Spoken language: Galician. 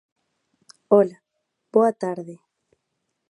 Ola, boa tarde.